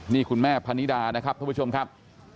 นี่คุณแม่พนิดานะครับท่านผู้ชมครับ